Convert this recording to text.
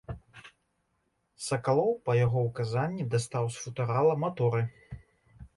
Сакалоў па яго ўказанні дастаў з футарала маторы.